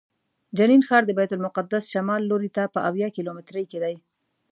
جنین ښار د بیت المقدس شمال لوري ته په اویا کیلومترۍ کې دی.